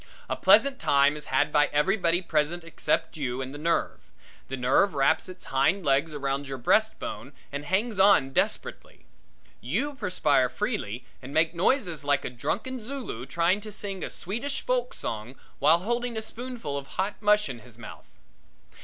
A pleasant time is had by everybody present except you and the nerve. The nerve wraps its hind legs around your breastbone and hangs on desperately. You perspire freely and make noises like a drunken Zulu trying to sing a Swedish folk song while holding a spoonful of hot mush in his mouth.